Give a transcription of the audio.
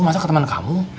masa ke temen kamu